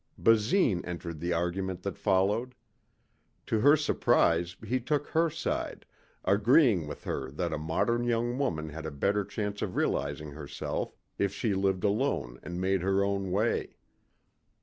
Basine entered the argument that followed. To her surprise he took her side, agreeing with her that a modern young woman had a better chance of realizing herself if she lived alone and made her own way.